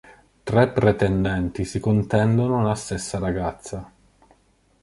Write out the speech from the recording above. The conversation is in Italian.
Tre pretendenti si contendono la stessa ragazza.